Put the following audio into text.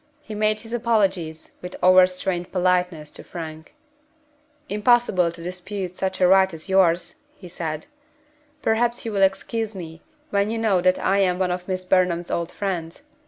He made his apologies, with overstrained politeness, to Frank. "Impossible to dispute such a right as yours," he said. "Perhaps you will excuse me when you know that I am one of Miss Burnham's old friends.